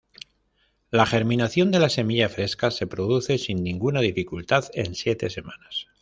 La germinación de la semilla fresca se produce sin ninguna dificultad en siete semanas.